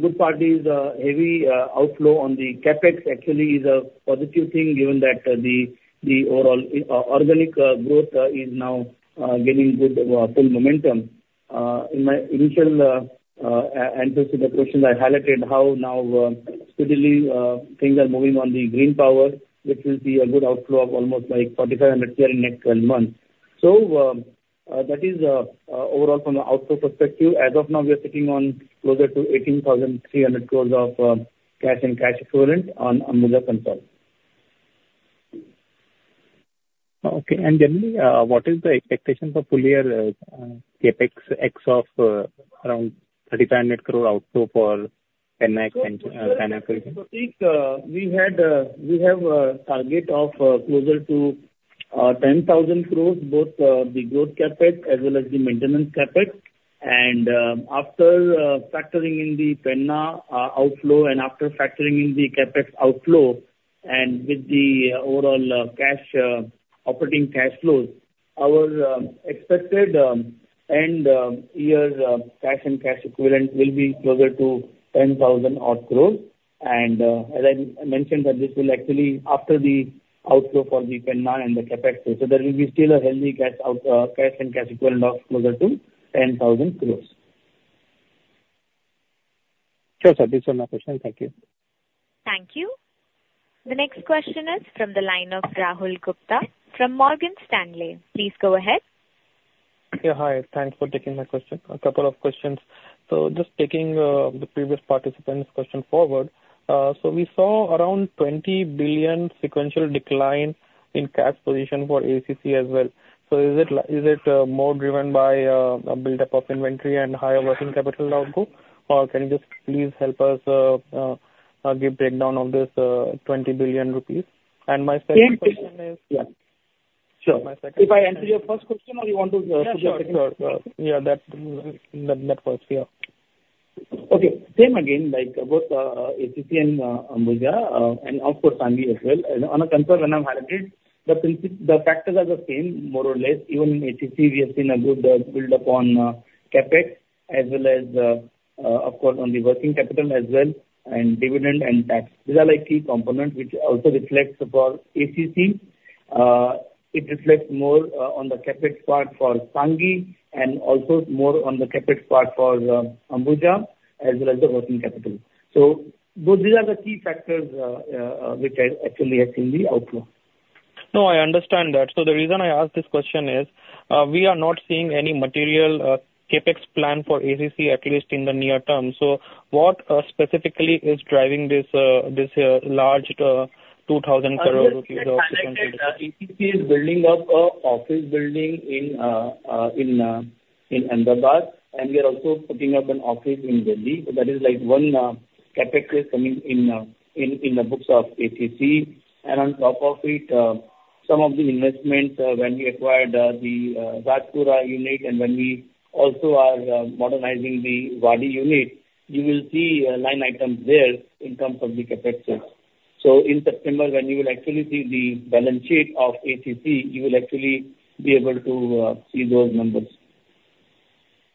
good part is heavy outflow on the CapEx actually is a positive thing given that the overall organic growth is now getting good full momentum. In my initial answers to the question, I highlighted how now steadily things are moving on the green power, which will be a good outflow of almost like 4,500 crore in next 12 months. That is overall from the outflow perspective. As of now, we are sitting on closer to 18,300 crores of cash and cash equivalent on Ambuja consolidated. Okay. And generally, what is the expectation for full-year CapEx ex of around INR 3,500 crore outflow for Penna acquisition? Prateek, we have a target of closer to 10,000 crores, both the growth CapEx as well as the maintenance CapEx. And after factoring in the Penna outflow and after factoring in the CapEx outflow and with the overall operating cash flows, our expected end-year cash and cash equivalent will be closer to 10,000-odd crores. And as I mentioned, this will actually after the outflow for the Penna and the CapEx. So there will be still a healthy cash and cash equivalent of closer to 10,000 crores. Sure, sir. This is my question. Thank you. Thank you. The next question is from the line of Rahul Gupta from Morgan Stanley. Please go ahead. Yeah. Hi. Thanks for taking my question. A couple of questions. So just taking the previous participant's question forward, so we saw around 20 billion sequential decline in cash position for ACC as well. So is it more driven by a buildup of inventory and higher working capital outgo? Or can you just please help us give breakdown of this 20 billion rupees? And my second question is. Yeah. Sure. If I answer your first question or you want to. Yeah. Sure. Sure. Yeah. That works. Yeah. Okay. Same again, both ACC and Ambuja and of course Sanghi as well. And on a concern when I've highlighted, the factors are the same, more or less. Even in ACC, we have seen a good buildup on CapEx as well as, of course, on the working capital as well and dividend and tax. These are key components which also reflects for ACC. It reflects more on the CapEx part for Sanghi and also more on the CapEx part for Ambuja as well as the working capital. So these are the key factors which I actually have seen the outflow. No, I understand that. So the reason I asked this question is we are not seeing any material CapEx plan for ACC at least in the near term. So what specifically is driving this large 2,000 crore rupees sequential decline? ACC is building up an office building in Ahmedabad, and we are also putting up an office in Delhi. That is like one CapEx is coming in the books of ACC. And on top of it, some of the investments when we acquired the Rajpura unit and when we also are modernizing the Wadi unit, you will see line items there in terms of the CapEx. So in September, when you will actually see the balance sheet of ACC, you will actually be able to see those numbers.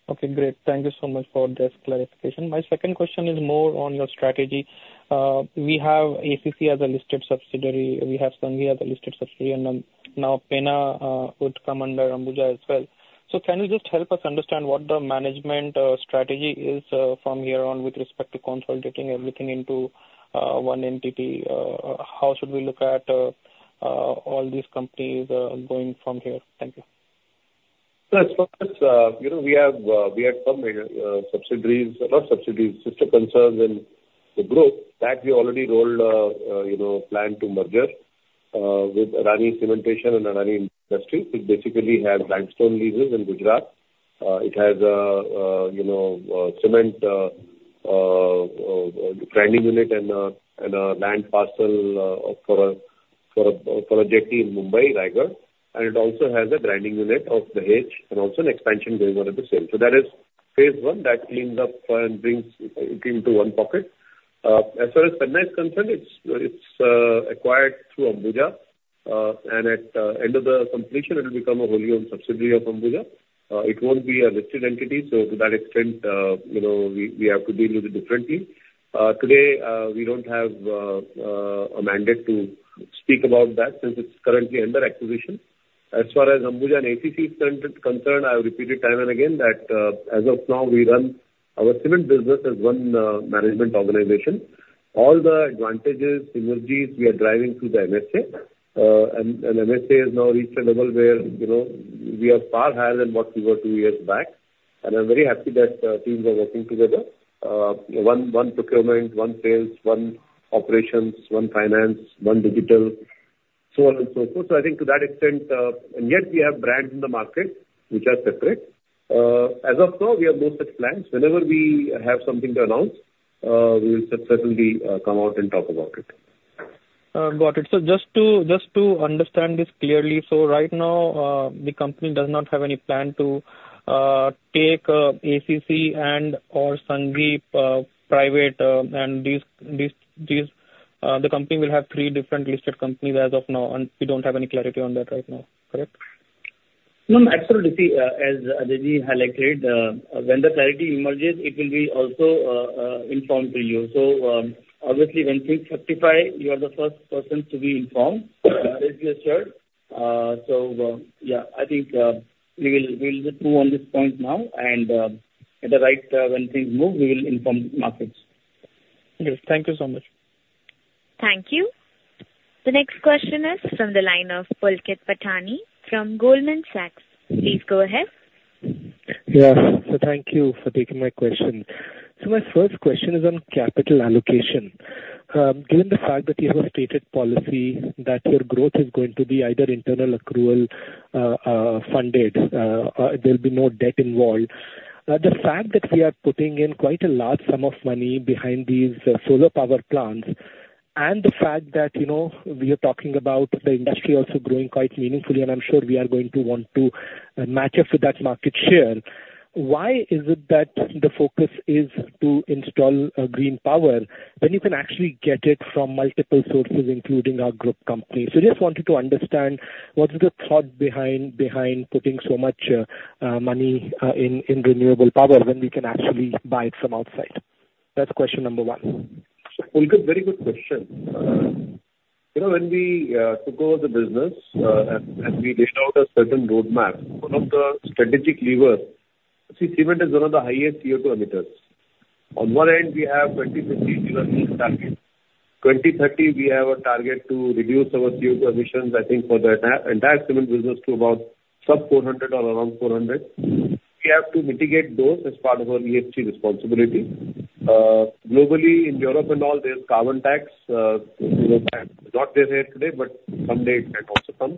Okay. Great. Thank you so much for this clarification. My second question is more on your strategy. We have ACC as a listed subsidiary. We have Sanghi as a listed subsidiary. And now Penna would come under Ambuja as well. So can you just help us understand what the management strategy is from here on with respect to consolidating everything into one entity? How should we look at all these companies going from here? Thank you. As far as we have some subsidiaries, not subsidiaries, just the concerns and the growth that we already rolled a plan to merger with Adani Cementation and Adani Industries, which basically have limestone leases in Gujarat. It has a cement grinding unit and a land parcel for a jetty in Mumbai, Raigad. And it also has a grinding unit of Dahej and also an expansion going on at the same. So that is phase one that cleans up and brings it into one pocket. As far as Penna is concerned, it's acquired through Ambuja. And at the end of the completion, it will become a wholly owned subsidiary of Ambuja. It won't be a listed entity. So to that extent, we have to deal with it differently. Today, we don't have a mandate to speak about that since it's currently under acquisition. As far as Ambuja and ACC is concerned, I've repeated time and again that as of now, we run our cement business as one management organization. All the advantages, synergies, we are driving through the MSA. And MSA has now reached a level where we are far higher than what we were two years back. I'm very happy that teams are working together. One procurement, one sales, one operations, one finance, one digital, so on and so forth. So I think to that extent, and yet we have brands in the market which are separate. As of now, we have no such plans. Whenever we have something to announce, we will certainly come out and talk about it. Got it. So just to understand this clearly, right now, the company does not have any plan to take ACC and/or Sanghi private, and the company will have three different listed companies as of now. And we don't have any clarity on that right now. Correct? No, absolutely. As Aditi highlighted, when the clarity emerges, it will be also informed to you. So obviously, when things clarify, you are the first person to be informed, as you assured. So yeah, I think we will just move on this point now. And at the right time, when things move, we will inform the markets. Yes. Thank you so much. Thank you. The next question is from the line of Pulkit Patni from Goldman Sachs. Please go ahead. Yeah. So thank you for taking my question. So my first question is on capital allocation. Given the fact that you have stated policy that your growth is going to be either internal accrual funded, there'll be no debt involved. The fact that we are putting in quite a large sum of money behind these solar power plants, and the fact that we are talking about the industry also growing quite meaningfully, and I'm sure we are going to want to match up with that market share, why is it that the focus is to install green power when you can actually get it from multiple sources, including our group company? So I just wanted to understand what is the thought behind putting so much money in renewable power when we can actually buy it from outside. That's question number one. Well, good. Very good question. When we took over the business and we laid out a certain roadmap, one of the strategic levers, see, cement is one of the highest CO2 emitters. On one end, we have 2050 zero-emission target. 2030, we have a target to reduce our CO2 emissions, I think, for the entire cement business to about sub 400 or around 400. We have to mitigate those as part of our ESG responsibility. Globally, in Europe and all, there's carbon tax. Not there yet today, but someday it can also come.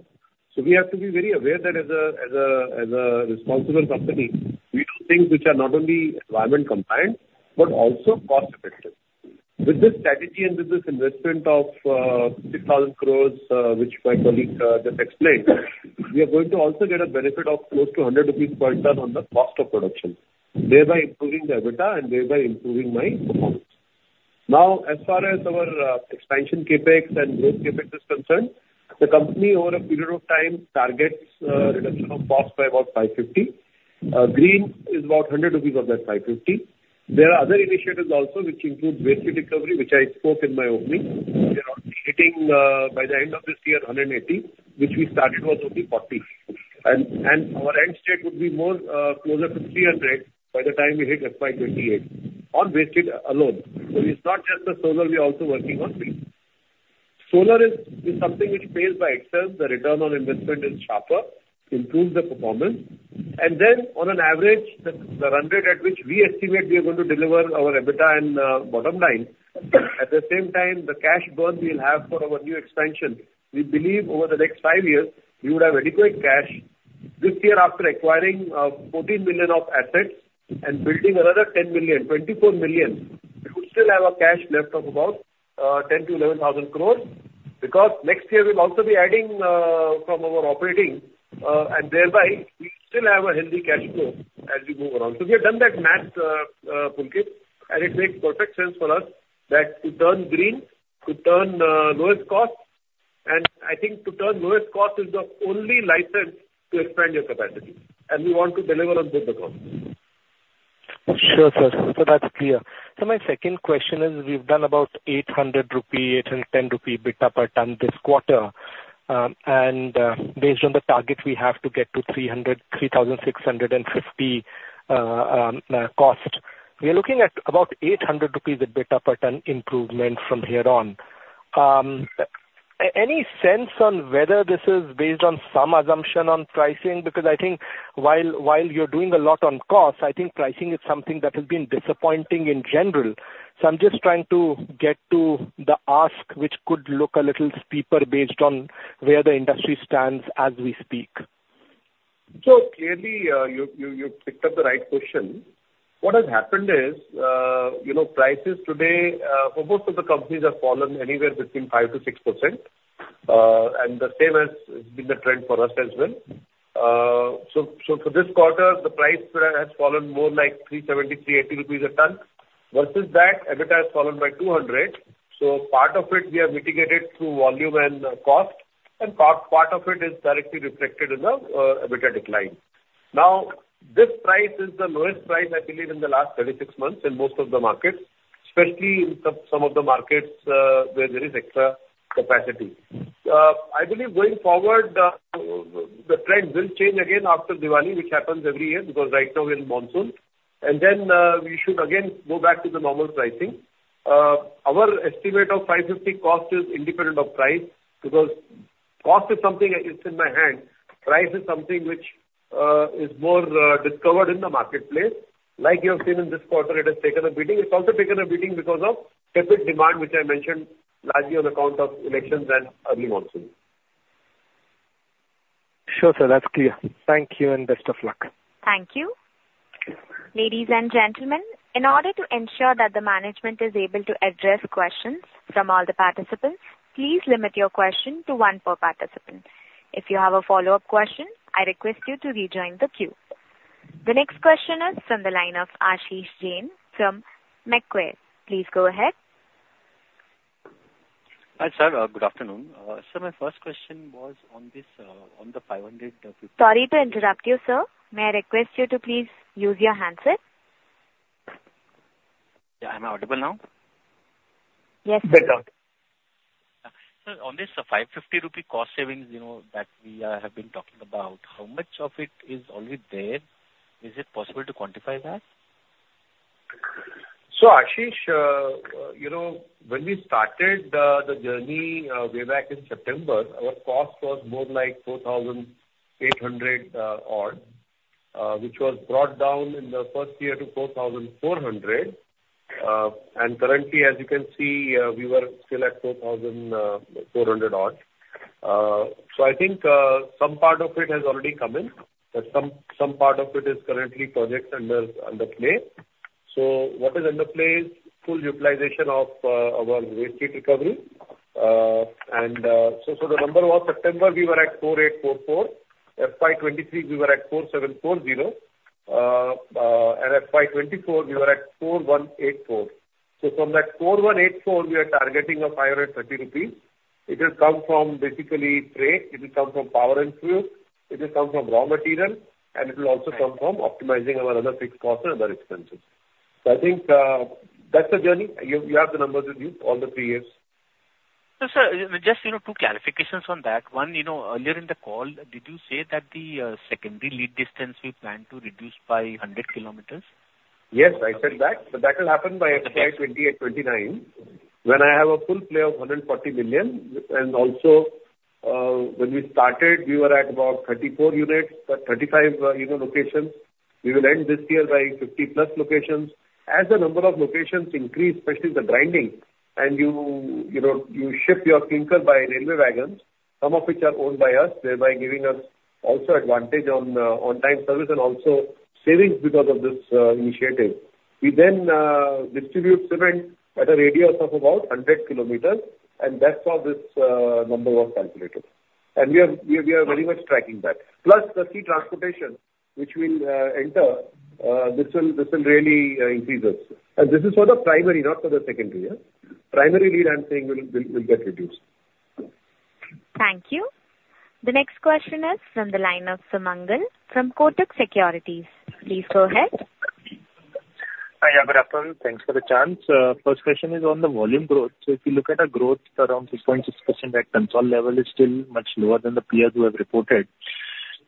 So we have to be very aware that as a responsible company, we do things which are not only environment-compliant, but also cost-effective. With this strategy and with this investment of 6,000 crore, which my colleague just explained, we are going to also get a benefit of close to 100 rupees per ton on the cost of production, thereby improving the EBITDA and thereby improving my performance. Now, as far as our expansion CapEx and growth CapEx is concerned, the company over a period of time targets reduction of cost by about 550. Green is about 100 rupees of that 550. There are other initiatives also which include waste recovery, which I spoke in my opening. We are already hitting by the end of this year 180, which we started was only 40. Our end state would be more closer to 300 by the time we hit FY 2028 on waste alone. So it's not just the solar we are also working on. Solar is something which pays by itself. The return on investment is sharper, improves the performance. And then on an average, the INR 100 at which we estimate we are going to deliver our EBITDA and bottom line. At the same time, the cash burn we'll have for our new expansion. We believe over the next 5 years, we would have adequate cash. This year, after acquiring 14 million of assets and building another 10 million, 24 million, we would still have cash left of about 10,000-11,000 crore because next year we'll also be adding from our operating. And thereby, we still have a healthy cash flow as we move around. So we have done that math, Pulkit, and it makes perfect sense for us that to turn green, to turn lowest cost, and I think to turn lowest cost is the only license to expand your capacity. And we want to deliver on both the costs. Sure, sir. So that's clear. So my second question is we've done about 800-810 rupee bid per ton this quarter. And based on the target, we have to get to 3,650 cost. We are looking at about 800 rupees bid per ton improvement from here on. Any sense on whether this is based on some assumption on pricing? Because I think while you're doing a lot on cost, I think pricing is something that has been disappointing in general. So I'm just trying to get to the ask, which could look a little steeper based on where the industry stands as we speak. So clearly, you picked up the right question. What has happened is prices today for most of the companies have fallen anywhere between 5%-6%. And the same has been the trend for us as well. So for this quarter, the price has fallen more like 370-380 rupees a ton. Versus that, EBITDA has fallen by 200. So part of it we have mitigated through volume and cost, and part of it is directly reflected in the EBITDA decline. Now, this price is the lowest price, I believe, in the last 36 months in most of the markets, especially in some of the markets where there is extra capacity. I believe going forward, the trend will change again after Diwali, which happens every year because right now we're in monsoon. And then we should again go back to the normal pricing. Our estimate of 550 cost is independent of price because cost is something that is in my hand. Price is something which is more discovered in the marketplace. Like you have seen in this quarter, it has taken a beating. It's also taken a beating because of COVID demand, which I mentioned largely on account of elections and early monsoon. Sure, sir. That's clear. Thank you and best of luck. Thank you. Ladies and gentlemen, in order to ensure that the management is able to address questions from all the participants, please limit your question to one per participant. If you have a follow-up question, I request you to rejoin the queue. The next question is from the line of Ashish Jain from Macquarie. Please go ahead. Hi, sir. Good afternoon. Sir, my first question was on this on the 550. Sorry to interrupt you, sir. May I request you to please use your handset? Yeah. I'm audible now? Yes, sir. [distorted]. Sir, on this 550 rupee cost savings that we have been talking about, how much of it is already there? Is it possible to quantify that? So Ashish, when we started the journey way back in September, our cost was more like 4,800 odd, which was brought down in the first year to 4,400. Currently, as you can see, we were still at 4,400 odd. So I think some part of it has already come in, but some part of it is currently projects under play. So what is under play is full utilization of our waste recovery. So the number was September, we were at 4,844. FY 2023, we were at 4,740. And FY 2024, we were at 4,184. So from that 4,184, we are targeting of 530 rupees. It will come from basically trade. It will come from power and fuel. It will come from raw material. And it will also come from optimizing our other fixed costs and other expenses. So I think that's the journey. You have the numbers with you all the three years. So, sir, just two clarifications on that. One, earlier in the call, did you say that the secondary lead distance we plan to reduce by 100 km? Yes, I said that. But that will happen by FY 2028-29 when I have a full play of 140 million. And also, when we started, we were at about 34 units, but 35 locations. We will end this year by 50+ locations. As the number of locations increase, especially the grinding, and you ship your clinker by railway wagons, some of which are owned by us, thereby giving us also advantage on on-time service and also savings because of this initiative. We then distribute cement at a radius of about 100 km. And that's how this number was calculated. And we are very much tracking that. Plus, the sea transportation, which we'll enter, this will really increase us. And this is for the primary, not for the secondary. Primary lead handling will get reduced. Thank you. The next question is from the line of Sumangal from Kotak Securities. Please go ahead. Yeah. Good afternoon. Thanks for the chance. First question is on the volume growth. So if you look at our growth, around 6.6% at consol level is still much lower than the peers who have reported.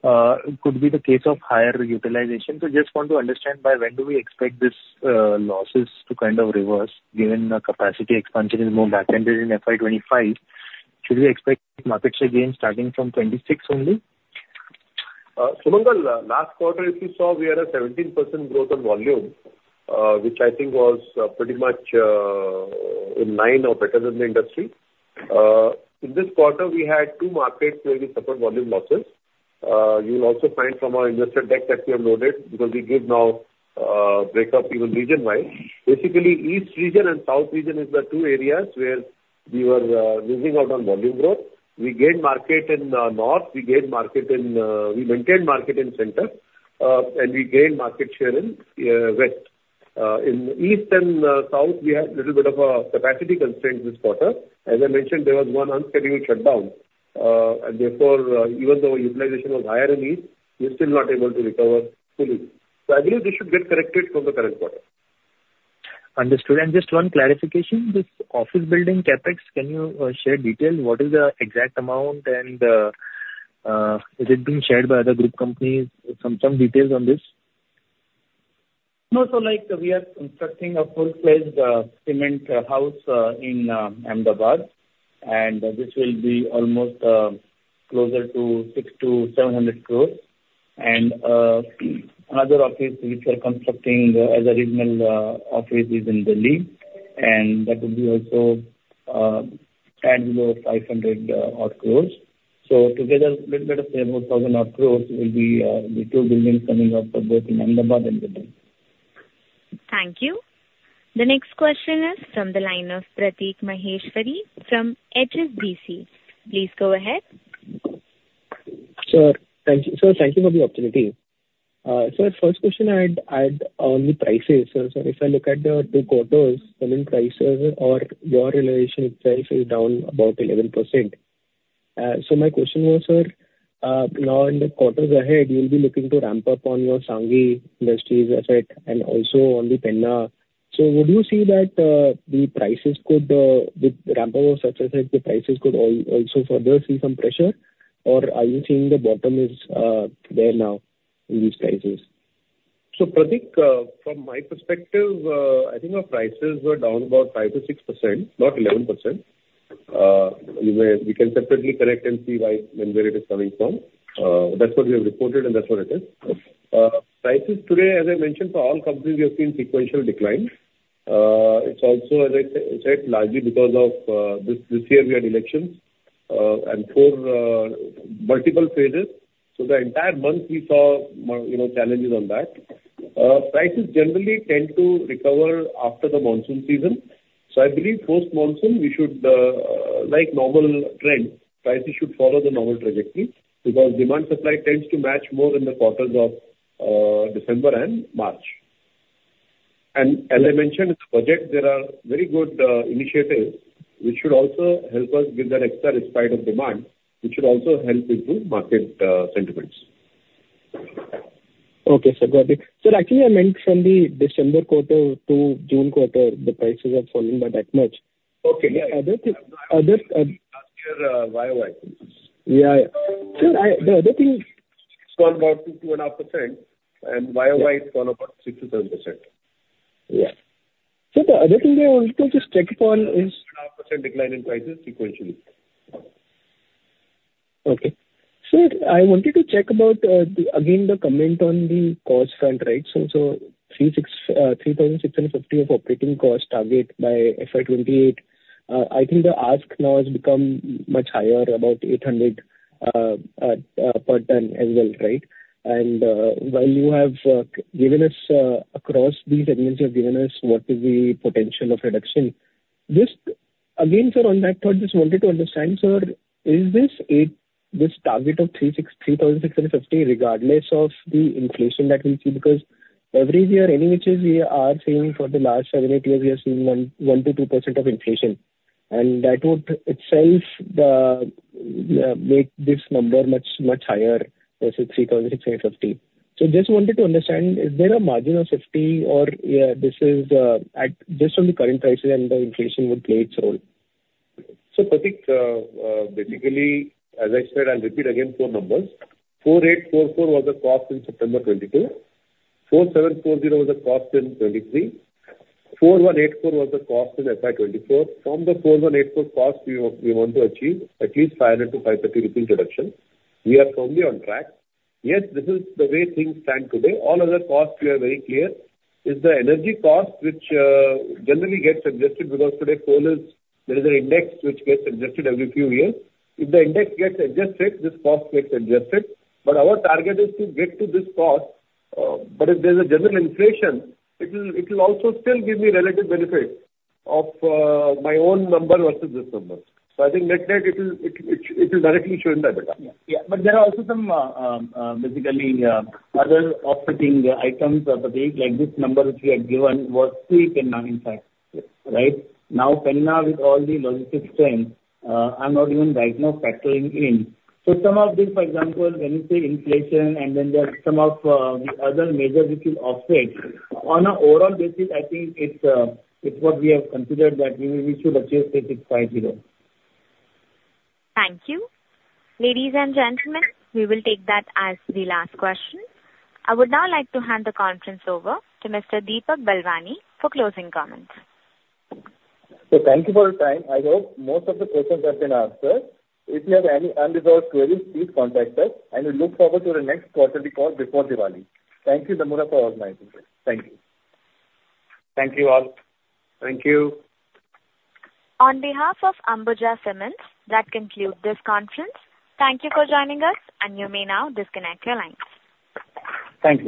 It could be the case of higher utilization. So just want to understand by when do we expect these losses to kind of reverse given capacity expansion is more back-ended in FY 2025? Should we expect market share gain starting from 2026 only? Sumangal, last quarter, if you saw, we had a 17% growth on volume, which I think was pretty much in line or better than the industry. In this quarter, we had two markets where we suffered volume losses. You will also find from our investor deck that we have noted because we give now breakup even region-wise. Basically, East region and South region is the two areas where we were losing out on volume growth. We gained market in North. We gained market in we maintained market in Center. And we gained market share in West. In East and South, we had a little bit of a capacity constraint this quarter. As I mentioned, there was one unscheduled shutdown. And therefore, even though utilization was higher in East, we're still not able to recover fully. So I believe this should get corrected from the current quarter. Understood. And just one clarification, this office building CapEx, can you share detail? What is the exact amount, and is it being shared by other group companies? Some details on this? No. So we are constructing a full-fledged cement house in Ahmedabad. This will be almost closer to 600-700 crores. Another office which we are constructing as a regional office is in Delhi. That will be also stand below 500-odd crores. So together, a little bit of 7,000-odd crores will be the two buildings coming up for both in Ahmedabad and Delhi. Thank you. The next question is from the line of Prateek Maheshwari from HSBC. Please go ahead. Sir, thank you for the opportunity. Sir, first question I had on the prices. So if I look at the two quarters, cement prices or your realization itself is down about 11%. So my question was, sir, now in the quarters ahead, you'll be looking to ramp up on your Sanghi Industries asset and also on the Penna. So would you see that the prices could with ramp up of such assets, the prices could also further see some pressure? Or are you seeing the bottom is there now in these prices? So Prateek, from my perspective, I think our prices were down about 5%-6%, not 11%. We can separately correct and see whenever it is coming from. That's what we have reported, and that's what it is. Prices today, as I mentioned, for all companies, we have seen sequential decline. It's also, as I said, largely because of this year we had elections and four multiple phases. So the entire month, we saw challenges on that. Prices generally tend to recover after the monsoon season. So I believe post-monsoon, we should, like normal trend, prices should follow the normal trajectory because demand-supply tends to match more in the quarters of December and March. As I mentioned, in the budget, there are very good initiatives which should also help us give that extra respite of demand, which should also help improve market sentiments. Okay, sir. Got it. Sir, actually, I meant from the December quarter to June quarter, the prices have fallen by that much. Okay. Last year, YOY. Yeah. Sir, the other thing. It's gone down to 2.5%, and YOY it's gone about 6%-7%. Yeah. Sir, the other thing I wanted to just check upon is 2.5% decline in prices sequentially. Okay. Sir, I wanted to check about, again, the comment on the cost front, right? So 3,650 of operating cost target by FY 2028. I think the ask now has become much higher, about 800 per ton as well, right? And while you have given us across these segments, you have given us what is the potential of reduction. Just again, sir, on that thought, just wanted to understand, sir, is this target of 3,650 regardless of the inflation that we see? Because every year, any which is we are seeing for the last 7, 8 years, we are seeing 1%-2% of inflation. And that would itself make this number much higher versus 3,650. So just wanted to understand, is there a margin of 50, or this is just on the current prices and the inflation would play its role? So, Prateek, basically, as I said, I'll repeat again 4 numbers. 4,844 was the cost in September 2022. 4,740 was the cost in 2023. 4,184 was the cost in FY 2024. From the 4,184 cost, we want to achieve at least 500-530 rupees reduction. We are firmly on track. Yes, this is the way things stand today. All other costs, we are very clear. It's the energy cost, which generally gets adjusted because today, coal, there is an index which gets adjusted every few years. If the index gets adjusted, this cost gets adjusted. But our target is to get to this cost. But if there's a general inflation, it will also still give me relative benefit of my own number versus this number. So I think net net, it will directly show in that data. Yeah. But there are also some basically other offsetting items, Prateek. Like this number which we had given was tweaked in 95, right? Now, Penna, with all the logistics trends, I'm not even right now factoring in. So some of these, for example, when you say inflation, and then there's some of the other major which will offset, on an overall basis, I think it's what we have considered that we should achieve 3650. Thank you. Ladies and gentlemen, we will take that as the last question. I would now like to hand the conference over to Mr. Deepak Balwani for closing comments. So thank you for your time. I hope most of the questions have been answered. If you have any unresolved queries, please contact us. We look forward to the next quarterly call before Diwali. Thank you, Damodar, for organizing this. Thank you. Thank you all. Thank you. On behalf of Ambuja Cements, that concludes this conference. Thank you for joining us, and you may now disconnect your lines. Thank you.